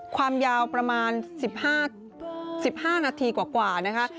ความยาวประมาณ๑๕นาทีกว่านะคะ